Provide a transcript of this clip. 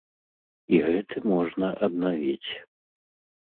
І гэты можна аднавіць.